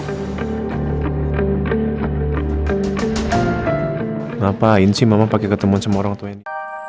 kenapa inci mama pake ketemuan sama orang tua ini